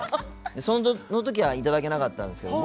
その時はいただけなかったんですけど